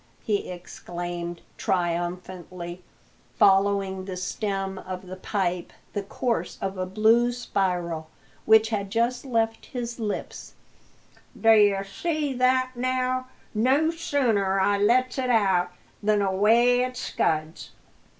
he exclaimed, triumphantly following with the stem of the pipe the course of a blue spiral which had just left his lips, "d'ye see that, now? No sooner I lets it out than away it scuds!"